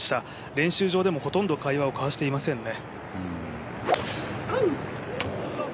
練習場でもほとんど会話を交わしていませんね。